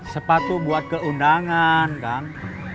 sepatu buat keundangan kang